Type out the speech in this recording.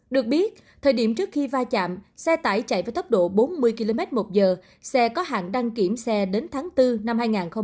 được biết thời điểm trước khi va chạm xe tải chạy với tốc độ bốn mươi km một giờ xe có hạn đăng kiểm xe đến tháng bốn năm hai nghìn hai mươi